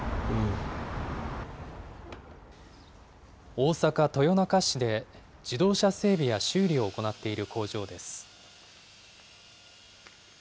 大阪・豊中市で、自動車整備や修理を行っている工場です。